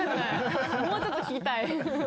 もうちょっと聴きたい。